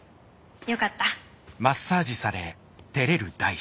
よかった。